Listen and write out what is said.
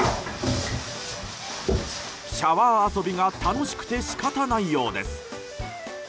シャワー遊びが楽しくて仕方ないようです。